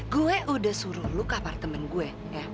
gue udah suruh lo ke apartemen gue